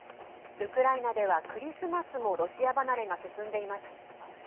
ウクライナでは、クリスマスもロシア離れが進んでいます。